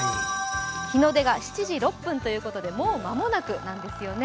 日の出が７時６分ということで、もう間もなくなんですよね。